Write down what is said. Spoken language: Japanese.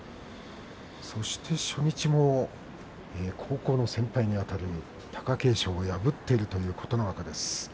そして初日も高校の先輩にあたる貴景勝を破っているという琴ノ若です。